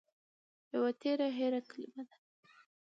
يوه تېره هېره کلمه ده